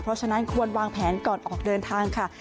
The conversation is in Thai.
เพราะฉะนั้นควรวางแผนก่อนออกเดินทางค่ะ